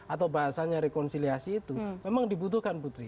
atau bahasanya rekonsiliasi itu memang dibutuhkan putri